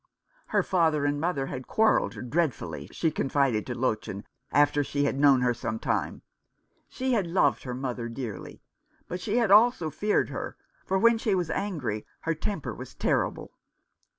Her father and mother had quarrelled dreadfully, she confided to Lottchen, after she had known her some time. She had loved her mother dearly, but she had also feared her, for when she was angry her temper was terrible.